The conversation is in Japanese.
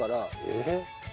えっ？